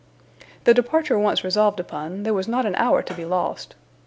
The departure once resolved upon, there was not an hour to be lost.